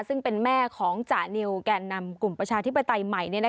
ซึ่งเป็นแม่ของจานิวแก่นำกลุ่มประชาธิปไตยใหม่